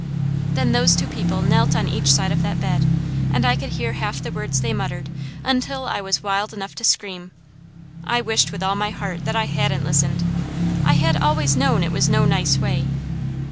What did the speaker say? Then those two people knelt on each side of that bed, and I could hear half the words they muttered, until I was wild enough to scream. I wished with all my heart that I hadn't listened. I had always known it was no nice way.